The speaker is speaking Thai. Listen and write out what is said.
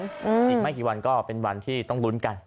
อีกไม่กี่วันก็เป็นวันที่ต้องลุ้นกัน